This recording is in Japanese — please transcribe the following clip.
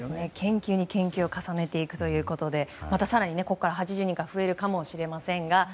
研究に研究を重ねていくということでまた更に、８０人から増えるかもしれませんが。